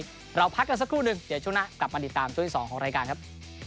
เราพักกันสักครู่หนึ่งเดี๋ยวช่วงหน้ากลับมาติดตามช่วงที่๒ของรายการครับ